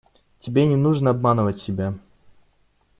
Тебе не нужно обманывать себя.